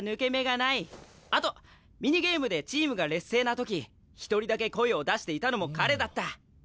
あとミニゲームでチームが劣勢な時一人だけ声を出していたのも彼だった。